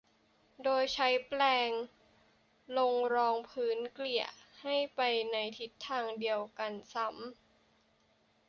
โดยใช้แปรงลงรองพื้นเกลี่ยให้ไปในทิศทางเดียวกันซ้ำ